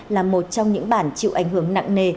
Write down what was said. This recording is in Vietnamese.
là một trong những bản chịu ảnh hưởng nặng nề